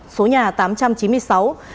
số nhà tám trăm chín mươi sáu